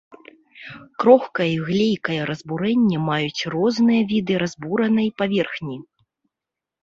Крохкае і глейкае разбурэнне маюць розныя віды разбуранай паверхні.